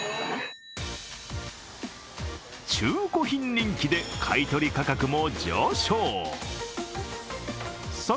中古品人気で買い取り価格も上昇。